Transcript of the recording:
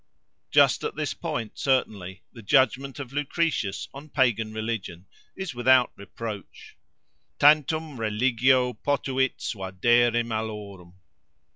Just at this point, certainly, the judgment of Lucretius on pagan religion is without reproach— Tantum religio potuit suadere malorum.